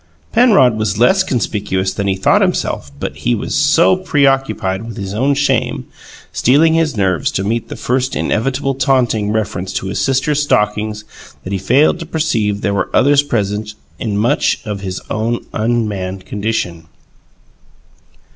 Penrod was less conspicuous than he thought himself, but he was so preoccupied with his own shame, steeling his nerves to meet the first inevitable taunting reference to his sister's stockings, that he failed to perceive there were others present in much of his own unmanned condition.